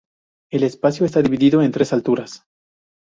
El espacio está dividido en tres alturas.